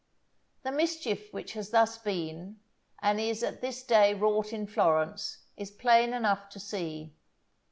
The mischief which has thus been, and is at this day wrought in Florence is plain enough to see.